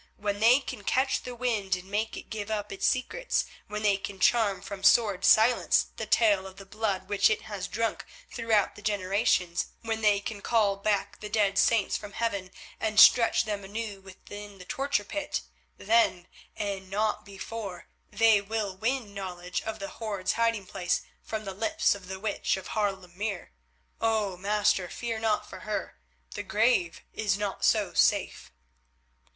When they can catch the wind and make it give up its secrets, when they can charm from sword Silence the tale of the blood which it has drunk throughout the generations, when they can call back the dead saints from heaven and stretch them anew within the torture pit, then and not before, they will win knowledge of the hoard's hiding place from the lips of the witch of Haarlem Meer. Oh! master, fear not for her, the grave is not so safe."